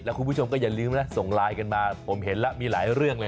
คุณผู้ชมก็อย่าลืมนะส่งไลน์กันมาผมเห็นแล้วมีหลายเรื่องเลย